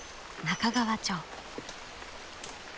中川町。